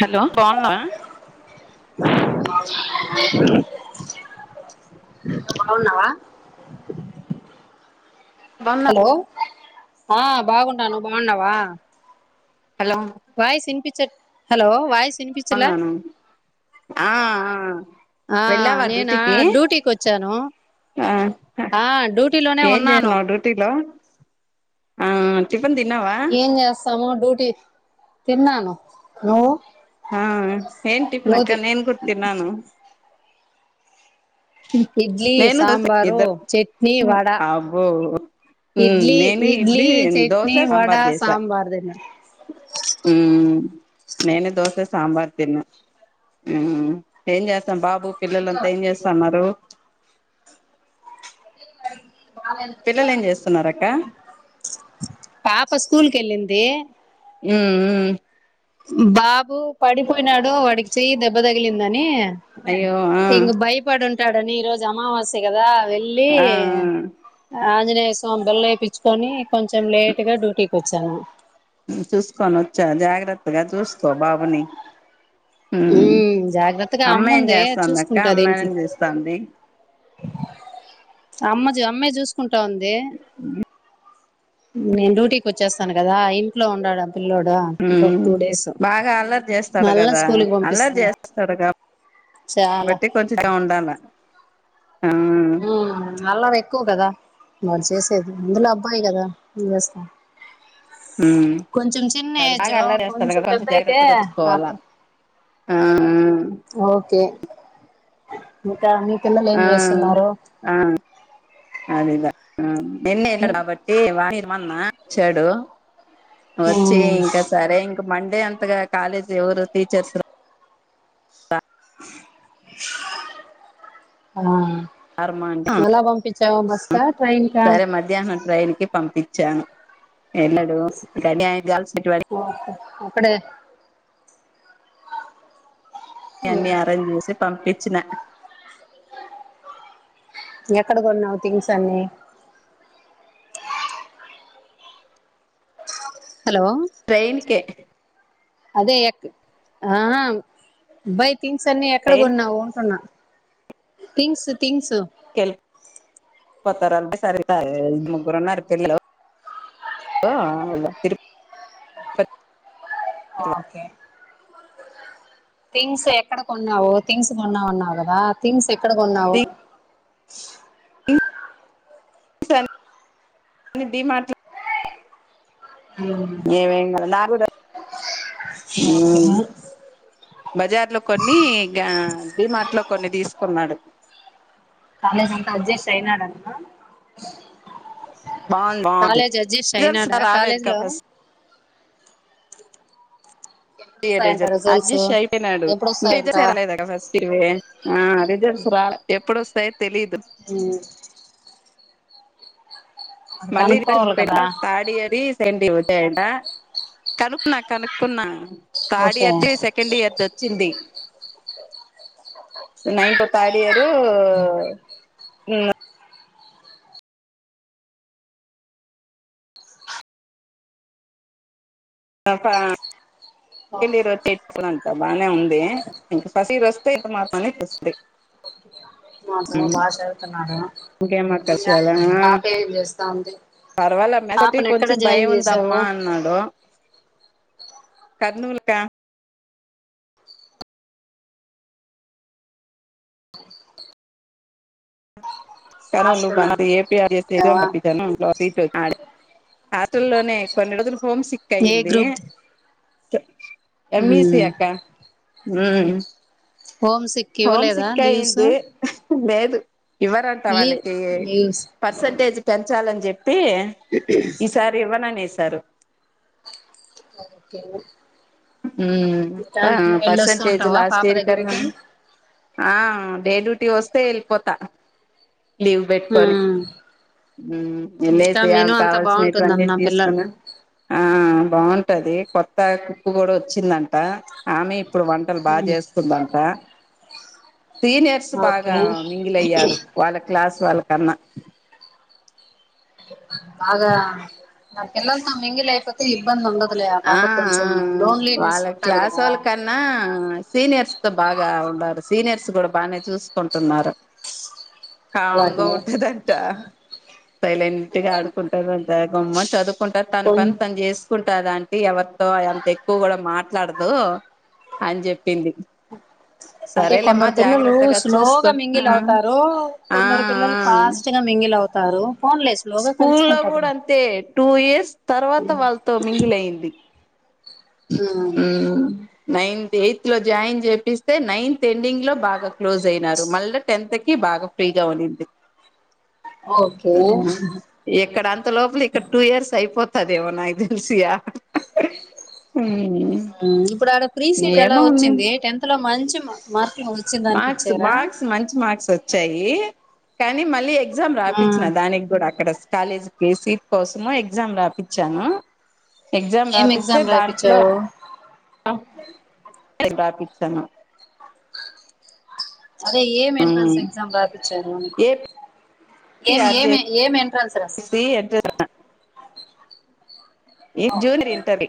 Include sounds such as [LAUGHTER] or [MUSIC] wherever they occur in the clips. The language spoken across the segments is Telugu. హలో బాగున్నావా బాగున్నావా బాగున్నా హలో ఆ బాగున్నాను బాగున్నావా హలో వాయిస్ ఇనిపించ్చ హలో వాయిస్ వినిపించ్చలే బాగున్నాను ఆ ఆ ఆ వెళ్ళావా నేనా డ్యూటీకి డ్యూటీకి వచ్చాను ఆ ఆ డ్యూటీలోనే ఉన్నాను పిలా ఆ టిఫన్ తిన్నావా ఏం చేస్తాము డ్యూటీ తిన్నాను నువ్వు ఆ ఏమ్ టిఫిన్ నువ్వు తి అక్క నేన్ గూడా తిన్నాను ఇడ్లీ నేను దోస సాంబారు ఇద్దరు చట్నీ వడా అబ్బో ఉమ్ ఇడ్లీ నేను ఇడ్లీ చట్నీ దోశ వడా సాంబార్ సాంబార్ తిన్నా ఉ నేను దోశ సాంబార్ తిన్న మ్ ఏం చేస్తాం బాబు పిల్లలంతా ఏం చేస్తా ఉన్నారు ట్రైన్ రాలేదు పిల్లలు ఏం చేస్తున్నన్నారు అక్క పాప స్కూల్ కి ఎళ్ళింది ఉ బాబు పడిపోయినాడు వాడికి చెయ్యి దెబ్బ తగిలిందని అయ్యో ఆ ఇంగా భయపడుంటాడని ఈ రోజు అమావాస్య గదా వెళ్ళి ఆ ఆంజనేయ స్వామి బెల్ వేయిచ్చుకొని కొంచెం లేటు గా డ్యూటీకి వచ్చాను చూసుకొని వచ్చా జాగ్రత్తగా చూసుకో బాబుని ఊ ఉమ్ జాగ్రత్తగా అమ్మా ఎం అమ్ముంది చేస్తాంది అక్క చూసుకుంటది అమ్మా‌ ఇంట్లో ఎం చేస్తాంది అమ్మ అమ్మె చూసుకుంటా ఉంది నేను డ్యూటీకి వచ్చేస్తాను గదా ఇంట్లో ఉండడానిక్ పిల్లోడా ఇంక ఒక ఉమ్ టూ డేస్ బాగా అల్లరి చేస్తాడు మళ్ళా కదా స్కూల్ అల్లరి పంపిస్తా చాల్ పెట్టి కొంచెం ఉండాలా ఊ అల్లరి ఎక్కువ గదా వారు చేసేది అందులో అబ్బాయి గదా ఏం చేస్తాం ఉమ్ కొంచెం చిన్న అది బాగా ఏజో అల్లరి చేస్తాడు కొంచెం కదా పెద్దయితే జాగ్రత్తగా చూసుకోవాలా ఆడ్తడు ఆ ఆ ఒకే ఇంకా ని పిల్లలు ఏం ఆ చేస్తున్నారు అది ఇద నిన్న ఎన్ని ఎళ్ళ కాబట్టి ఏ వాన్ని రమన్నా వచ్చాడు వచ్చి ఉమ్ ఇంకా సరే ఇక మండే అంతగా కాలేజ్ ఎవరు టీచర్స్ ఆ రారమ్మా అంటే ఎలా పంపించవు బస్ కా ట్రైన్ కా సరే మధ్యాహ్నం ట్రైన్ కి పంపించాను వెల్లడు ఇడి ఆయన కాల్సిన వాడి ఒక్కడే అన్నీ అరేంజ్ చేసి పంపించిన ఎక్కడ కొన్నావు థింగ్స్ అన్ని హలో ట్రైన్ కే అదే ఎ ఆ బాయ్ థింగ్స్ అన్ని ఎక్కడ ట్రైన్ కొన్నావు అంటున్నా థింగ్స్ థింగ్స్ కెల్ కొత్తార సరిదు ముగ్గురు ఉన్నారు పిల్లలు లో తిరుప ఒకే థింగ్స్ ఎక్కడ కొన్నావు థింగ్స్ కొన్నావున్నావు కదా థింగ్స్ ఎక్కడ కొన్నావు తిరుపతి డి మార్ట్ లో ఏమేం కాదు నాకు తెల ఇమ్ బజార్ లో కొన్ని ఇక డిమార్ట్ లో కొన్ని తీసుకున్నాడు కాలేజ్ అంతా అడ్జెస్ట్ అయినాడు అంటనా బాగుంది బాగుంది కాలేజ్ అడ్జస్ట్ రిజల్ట్స్ అయినాడా రాలేదు కాలేజ్ ఇంకా లో ఫస్ట్ ఎప్పుడొస్తాయంట రిజల్ట్స్ అడ్జస్ట్ అయిపోయినాడు ఎప్పుడొస్తాయంట టీజర్ అలా ఫస్ట్ ఆ రిజల్ట్స్ రాలా ఎప్పుడు వస్తాయే తెలిదు ఉమ్ మరి కనుక్కోవాలి కదా తాడ్ ఇయర్ ఇజ్ డి ఒకటంట కనుకున్నా కనుకున్నా తాడ్ okay year the second year the వచ్చింది నైన్త తాడ్ ఇయరు ఒక క్రింద ఇయర్ వచ్చి అంత బాగానే ఉంది ఇంక ఫస్ ఇయర్ వస్తే మా పని తెస్తుంది మాతో బాగ చదుతున్నాడు ఇంకేమక్క ఇంక పాప ఎం చేస్తా ఉంది పర్వాల మెస్కి పాపను ఎక్కడ కొంచెం జాయిన్ భయం చేసావు ఉందమ్మా అన్నాడు కర్నూలు క్యాం హాస్టల్ కర్నూల్ ఎపి ఆర్ జేసి చేసావా సీట్ [UNINTELLIGIBLE] ఆడే హాస్టల్లోనే కొన్ని రోజులు హోమ్ సిక్ ఏ అయింది గ్రూప్ ఎంఈసి ఉమ్ అక్క ఉమ్ హొమ్ సిక్ హోమ్ ఇవ్వలేదా సిక్ లీవ్స్ అయింది లేదు ఇవ్వరంట లీ వాళ్ళకి లీవ్స్ పర్సంటేజ్ పెంచాలని చెప్పి ఈసారి ఇవ్వననేసారు ఒకేన ఉమ్ అ వెళ్ళొస్తూ పర్సెంటేజ్ ఉంటావా లాస్ట్ పాప ఇయర్ కన్నా దగ్గరికి ఆ డే డ్యూటీ వస్తే వెళ్ళిపోతా లీవ్ పెట్టుకొని ఉమ్ ఉమ్ ఇంకా లేసి మెను ఆమెకి అంతా కావల్సిన ఇటువన్నీ బాగుంటుందన్న పిల్ల తీసుకున్నా ఆ బాగుంటది కొత్త కుక్ కూడా వచ్చిందంట ఆమె ఇప్పుడు వంటలు బాగా ఉమ్ చేస్తుందంట సీనియర్స్ బాగా ఓకే మింగిలయ్యారు వాళ్ళ క్లాస్ వాళ్ళకన్నా బాగా నా పిల్లలతో మింగిల్ అయిపో తే ఇబ్బంది ఉండదులే ఆ పాప కి కొంచెం లోన్లీనెస్ వాళ్ళ ఉంటాది కదా త బాగా ఉండారు సీనియర్స్ కూడా బానే చూసుకుంటున్నారు కామ్ గా అలాగే ఉంటదంట సైలెంటుగ ఆడుకుంటదంట గమ్మున చదువుకుంట తన కొ పని తను చేసుకుంటదం ది ఎవరితో అంత ఎక్కువ కూడ మాట్లాడదు అని చెప్పింది అంటే సరేలేమ్మా కొందరు పిల్లలు జాగ్రత్తగా స్లోగ చూసుకో మింగిల్ ఆ అవుతారు ఆ ఆ కొందరు పిల్లలు ఫాస్ట్ గా మింగిల్ అవుతారు పోన్లే స్లోగ కలుసుకుంటది లే తే టూ ఇయర్స్ తర్వాత వాళ్ళతో మింగిలయింది ఊ నైన్త్ ఎయిత్ లో జాయిన్ చేపిస్తే నైన్ తెండింగ్ లో బాగా క్లోజ్ అయినారు మళ్ళా టెన్త్కి బాగా ఫ్రీగా ఉన్నింది ఓకే ఊ ఊ ఇక్కడ అంత లోపల ఇక్కడ టూ ఇయర్స్ అయిపోతదేమో నాకు తెలిసి యా ఊ ఇప్పుడు ఆడ ప్రీసీట్ ఎలా వచ్చింది టెన్త్లో మంచి మా మార్కులు వచ్చిన దానికి మార్క్స్ ఇచ్చారా మార్క్స్ మంచి మార్క్స్ వచ్చాయి కానీ మళ్ళీ ఎగ్ గ్జామ్ రాపిచ్చిన దానిక్కుడా అక్కడ కాలేజీకి సీట్ కోసము ఎగ్జామ్ రాపిచ్చాను ఎగ్జామ్ ఏం రాపిస్తే ఎగ్జామ్ దాంట్లో రాయిపించావు [UNINTELLIGIBLE] రాపిచ్చాను అదే ఏం ఎంట్రన్స్ మ్మ్ ఎగ్జామ్ రాపిచ్చారు అని ఏం ఏపీఆర్ ఏమి ఏం ఎంట్రన్స్ రా [UNINTELLIGIBLE] ఇ ఓకే జూనియర్ ఇంటరే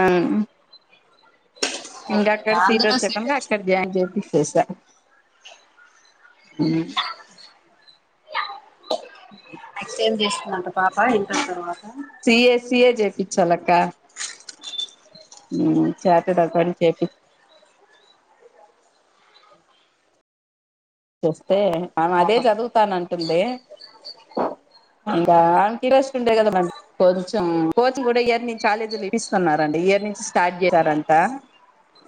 ఆ ఇంకా ఓకే అక్కడ సీట్ అందులో వచ్చే కనుక అక్కడ వచ్చింది జాయిన్ చేపిచ్చేశా నెక్స్ట్ ఏం చేస్తున్నంట పాప ఇంటర్ తర్వాత సిఏ సిఏ జేపిచ్చాలక్క ఊ చార్టెడ్ అకౌంట్ చేపి చేస్తే ఆమె పాప అదే చదువుతానంటుంది ఇంగ ఆమెకి ఇంట్రెస్ట్ ఉంటే కదా మం కొంచెం కోచింగ్ గూడా ఈ ఇయర్ నుంచి కాలేజ్ లో ఇస్తున్నారండి ఈ ఇయర్ నుంచి స్టార్ట్ చేసారంట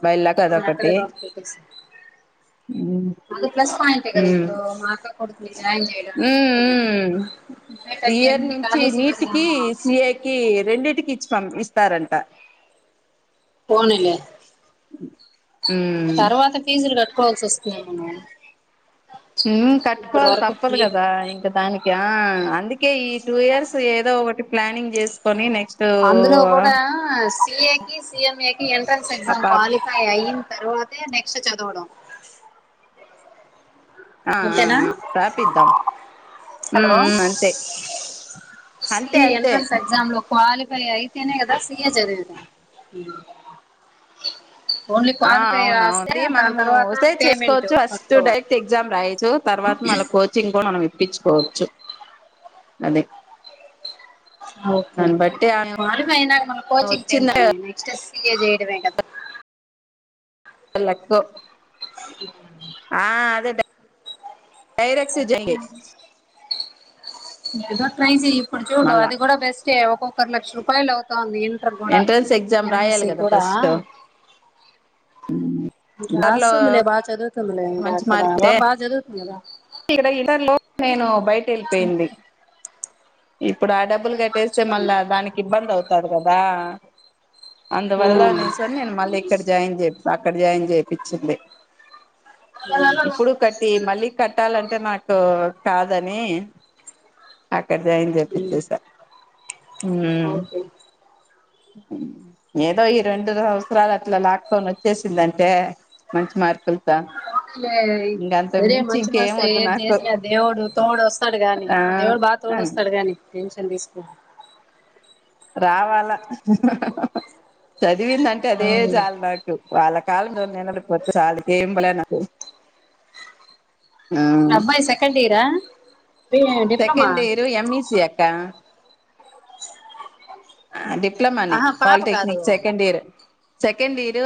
బై లక్ అక్కడే అదొకటి జాబ్ అదో ప్లస్ పాయింటే కదా ఇప్పుడు మా అక్క కొడుకుని జాయిన్ చేయ ఊ ఊ ఈ ఇయర్ ఎన్ని నుంచి కాలేజీలు నీట్ కి అడిగామో సి ఐ కి రెండింటికి ఇచ్ పంప్ ఇస్తారంట పోనీలే మ్ తర్వాత ఫీజులు కట్టుకోవాల్సి వస్త్ అవునువును ఊ కట్టుకోవాలి తప్పదు ఫ్రీ కదా ఇంకా దానికి యా అందుకే ఈ టూ ఇయర్స్ ఏదో ఒకటి ప్లానింగ్ జేసుకొని నెక్స్ట్ అందులో కూడా సిఏకి సిఎంఏకి ఎంట్రన్స్ ఆ ఎగ్జామ్ పాప క్వాలిఫ్ ఫై అయ్యింతర్వాతే నెక్స్ట్ చదవడం ఆ అంతేనా ఆ రాప్పిద్దాం ఊ ఊ అంతే సి అంతే ఎ అంతే ఎంట్రన్స్ ఎగ్జామ్ లో క్వాలిఫై అయి తేనే కదా సీఏ చదివేది ఓన్లీ ఆ క్వాలిఫై అవునవును రాస్తే మరి దాని తర్వాత పేమెంట్ తక్వ పడ్ తెగ్జామ్ రాయచ్చు తర్వాత మళ్ళ కోచింగ్ కూడా మనం ఇప్పించుకోవచ్చు అదే ఆ ఓకే దాన్ని బట్టి ఆమె క్వాలిఫై అయినాక మళ్ళ కోచంగ్ తో ఏం వచ్చిందంటే పని నెక్స్ట్ సి ఎ చేయడమే కదా ఆళ్ళక్కో అ [UNINTELLIGIBLE] ఆ అదే డైరెక్ట్ జేయ్ ఇగ ట్రై జేయ్ ఇప్పుడు చూడు మళ్ళా అది గూడా బెస్ట్ తే ఒక్కొక్కరు లక్ష రూపాయలు అవుతాంది ఇంటర్ గూడా ఎంట్రన్స్ ఎగ్జామ్ రాయాలి ఎంపిసి కదా గూడా ఫస్ట్ ఇంకా ఇంటర్లో రాస్తుందిలే బాగా చదువుతుందిలే ఇంకా మంచి అక్కడ ఓ మార్కుతే బాగా జదువుతుంది గదా ఇక్కడ ఇంటర్ లో నేను బయట యెళ్ళిపోయింది ఇప్పుడు ఆ డబ్బు డబ్బులు గట్టేస్తే మళ్ళ దానికి ఇబ్బంది అవుతాది గదా అందువల్ల నీ స నేను మళ్ళీ ఇక్కడ జాయిన్ చే అక్కడ జాయిన్ జేపిచింది ఇప్పుడు కట్టి మళ్ళీ కట్టాలంటే నాకు కాదని అక్కడ జాయిన్ మ్మ్ జేపిచ్చేసా ఉమ్ ఓకే అక్కడేనా ఏదో ఈ రెండు సంవత్సరాలు అట్లా లాక్కోని వచ్చేసిందంటే మంచి మార్కులు లేయ్ సరే మ మించి ఇంకేం మంచిమనస్సుతో వద్దు ఏది నాకు జేసినా దేవుడు తోడు వస్తాడు గాని ఆ దేవుడు బాగా తోడు వస్తాడు గాని టెన్షన్ దీసుకో రావాలా చదివిందంటే అదే జాలు నాకు వాళ్ళ కాళ్ళమీద నిలబడిపోతే చాలు ఇంకేం బలే నాకు ఆ అబ్బాయి సెకండ్ ఇయరా డిప్లొమా సెకెండ్ ఇయరు ఎంఈసి అక్క ఆ డిప్లమానే ఆహా పాప కాదు polytechnic second year second year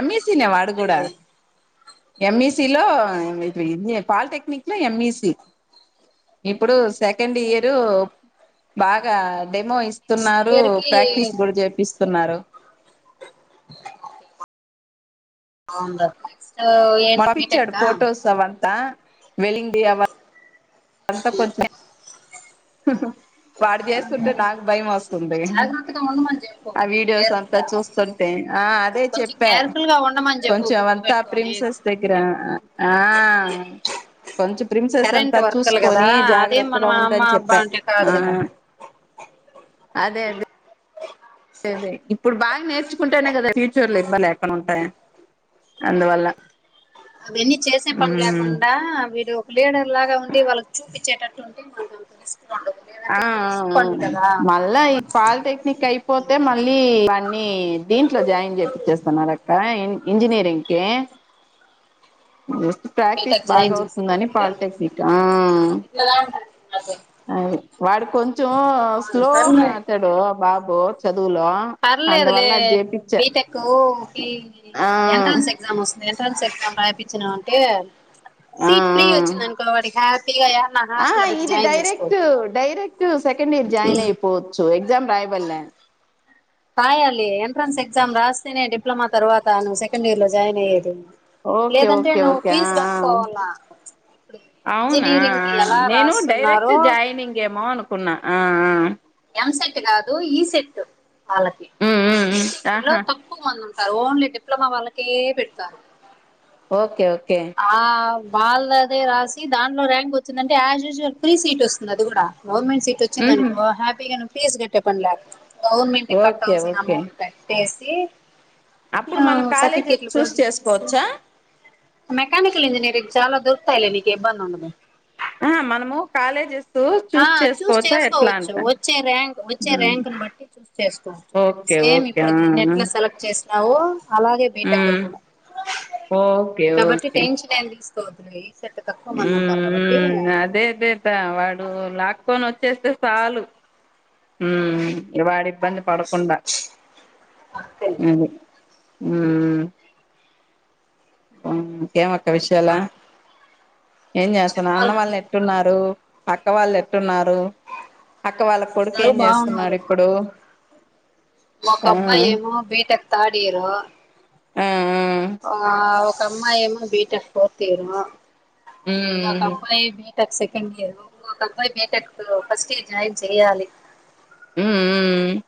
MEC నే వాడు గూడా నెక్స్ట్ ఎంఈసీ లో ఇప్పుడు పాలిటెక్నిక్ లో ఎంఈసీ ఇప్పుడు సెకండ్ ఇయరు బాగా డెమో ఇస్తుం డు ఇయర్ కి ప్రాక్టీస్ గూడా జేపిస్తున్నారు అవునా తో ఏ మార్పిచాడు ఫోటోస్ అవంతా వెళ్ళింది అవన్ అంతా కొంచెం హు హూ వాడు జేస్తుంటే నాకు భయం వస్తుంది జాగ్రత్తగా ఉండమని చెప్పు ఆ వీడియోస్ కేర్ఫుల్ అంతా గా చూస్తుం తే ఆ అదే కొంచెం చెప్పా కేర్ఫుల్ గా ఉండమని చెప్పు కొంచెం గుర్తు అంతా పెట్టుకొని ప్రిన్సెస్ దగ్గర ఆ కొంచెం ప్రిన్సెస్ అంతా కరెంట్ చూస్ వర్కలు కదా కొనీ అదేం జాగ్రత్తగా మనం ఉండని అమ్మ అబ్బా చెప్పా అంటే ఆ కాదు కదా అదే అదే అదే ఇప్పుడు బాగా నేర్చుకుంటేనే గదా ఫ్యూచర్ లో ఇబ్బంది లేకుంట ఉంటాయ్ అందువల్ల అవన్నీ చేసే పని ఉమ్ లేకుండా వీడు లీడర్ లాగా ఉండి వాళ్ళకి చూపించేటట్టు ఉంటే మనకు అంత రిస్క్ రాదు ఆ ఆ అవును మళ్ళా ఈ పాలిటెక్నిక్ అయిపోతే మళ్ళీ కి వన్నీ దీంట్లో జాయిన్ జేపిచేస్తానుగదక్క ఇంజనీరింగ్ కి జస్ట్ ప్రాక్టీస్ బీటెక్ బాగా జాయిన్ అవుతుందని పాలిటెక్నిక్ ఆ గదా అంటుంది నాతోని అది వాడు కొంచెం స్లో సర్లే అతడు బాబు చదువులో పర్లేదులే అందువల్ల అది చేపిచ్చా బీటెక్ కు ఆ ఎంట్రన్స్ ఎగ్ ఎగ్జామ్ వస్తది ఎంట్రన్స్ ఎగ్జామ్ రాపించినా అంటే ఆ సీట్ ఫ్రీ ఆ వచ్చింది అనుకో వాడికి హ్యాపీ తీ అయ్యా అన్నాను ఆ ఇది direct direct second year join అయిపోవచ్చు ఎగ్జామ్ రాయబడలే రాయాలీ ఎంట్రన్స్ ఎగ్జామ్ రాస్తేనే డిప్లమా తర్వాత నువ్ సెకండ్ ఇయర్ లో జాయిన్ అయ్యేది ఓకే లేదంటే ఓకే నువ్ ఓకే ఫీజ్ గట్కోవాలా ఔనాఆఁ నేనూ డైరెక్టు జాయినింగ్ ఏమో అనుకున్నా ఆ ఆమ్ ఎం సెట్టు గాదూ ఈసెట్టు ఆళ్ళకి ఉమ్ ఉమ్ ఉమ్ ఆహా పిల్లోల్ తక్ ఓన్లీ డిప్లమా వాళ్ళకే పెడ్తార్ ఓక్కె ఓక్కే ఆఁ వాళ్ళదే రాసి దాన్లో ర్యాంక్ వచ్చిందంటే యాజ్ యూజువల్ ఫ్రీ సీట్ వస్తుంది అది గుడా గవర్నమెంట్ సీటు ఉహు వచ్చిందనుకో హ్యాపీగా నువ్ ఫీజ్ గట్టే పని ల్యాక్ గవర్నమెంటే ఓకే కట్టాల్సిన ఓకే అమౌంట్ అది ట్టేసీ అప్పుడు ఆ మనం కాలేజెస్ సర్టిఫికెట్లు చూస్ ప్రొడ్యూస్ జేస్తే చేసుకోవచ్చా మెకానికల్ ఇంజనీరింగ్ చాలా దొరుకుతాయ్ లే నీకిబ్బందుండదు ఆహ్ మనమూ కాలేజిస్ ఆ చూస్ చేసుకోవచ్చు వచ్చే ర్యాంక్ వచ్చే ర్యాంకును బట్టీ చూస్ చేసుకోవచ్చు ఓకే సేమ్ ఓకే ఇప్పుడు ఆ దీనెట్లొ సెలెక్ట్ చేస్తావో అలాగే బీటెక్కు ఉమ్ కూడా ఓకే కాబట్టి ఓకే టెన్షన్ ఏం తీస్ కోవద్దు ఈ సెట్టు తక్కువ్ మందుంటార్ కాబట్టీ ఉమ్ అదే అదేద్దా వాడూ లాక్కోనొచ్చేస్తే సాలు హుమ్ వాడిబ్బంది పడకుండా అంతే అదే ఉమ్ ఇంకేమొక్క విషయాలా ఏం జేస్తనవ్ అన్న చెప్పాలి వాళ్ నువ్వే ఎట్ ట్టున్నారూ అక్క వాళ్లెట్టున్నారూ అక్క వాళ్ళ అందరూ కొడుకేం జేస్తున్నాడ్ బాగున్నారు ఇప్పుడూ ఒకబ్బాయ్ ఏమో బీటెక్ తాడ్ ఇయరో ఆఁ ఆఁ ఉంగ ఒక అమ్మాయేమో బీటెక్ ఫోర్త్ ఇయరో ఉమ్ ఒకబ్బాయ్ బీ టెక్ సెకండ్ ఇయరు ఒకబ్బాయ్ బీటెక్కు ఫస్ట్ ఇయర్ జాయిన్ చేయాలి ఉమ్ ఊఁ ఉమ్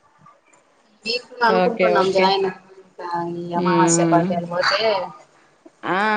వీకున్ ఓకే అనుకుంటున్నాం ఓకే జాయిను ఈ అమావాస్య పద్యాలు బోతే ఆఁ